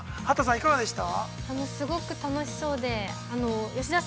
いかがでした？